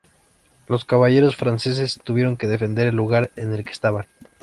Los caballeros franceses tuvieron que defender el lugar en el que estaban.